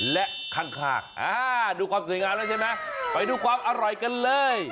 และข้างดูความสวยงามแล้วใช่ไหมไปดูความอร่อยกันเลย